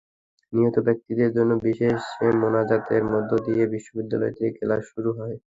নিহত ব্যক্তিদের জন্য বিশেষ মোনাজাতের মধ্য দিয়ে বিশ্ববিদ্যালয়টিতে ক্লাস শুরু হয়।